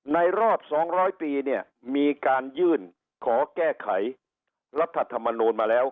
รอบ๒๐๐ปีเนี่ยมีการยื่นขอแก้ไขรัฐธรรมนูลมาแล้ว